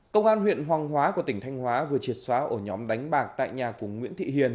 công an huyện hoàng hóa của tỉnh thanh hóa vừa triệt xóa ổ nhóm đánh bạc tại nhà của nguyễn thị hiền